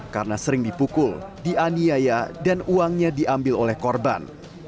karena sering dipukul dianiaya dan uangnya diambil oleh korban